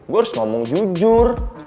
gue harus ngomong jujur